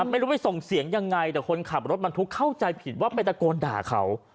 ไม่รู้ไปส่งเสียงยังไงแต่คนขับรถบรรทุกเข้าใจผิดว่าไปตะโกนด่าเขา